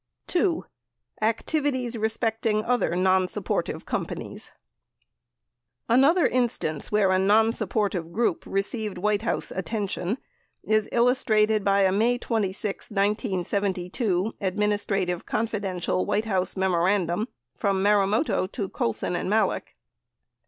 96 (2) Activities Respecting Other Nonmpportive Companies Another instance where a nonsupportive group received White House attention is illustrated by a May 26, 1972, "Administrative Con fidential" White House memorandum from Marumoto to Colson and Malek.